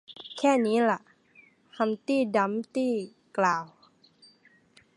แค่นี้ล่ะ ฮัมพ์ตี้ดัมพ์ตี้กล่าว